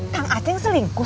kang aceh selingkuh